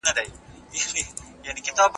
زه اجازه لرم چې منډه ووهم؟!